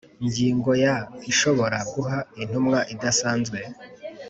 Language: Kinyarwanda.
Ngingo ya ishobora guha intumwa idasanzwe